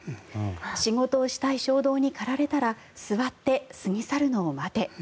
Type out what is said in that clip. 仕事をしたい衝動に駆られたら座って過ぎ去るのを待て。